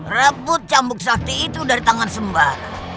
rebut cambuk sakti itu dari tangan sembah